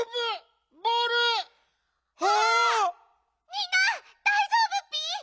みんなだいじょうぶッピ？